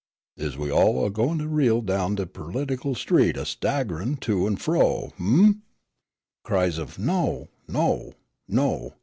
Is we all a gwineter reel down de perlitical street, a staggerin' to an' fro? hum!" Cries of "No! No! No!"